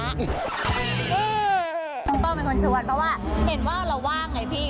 นี่พี่ป้องเป็นคนชวนเพราะว่าเห็นว่าเราว่างไงพี่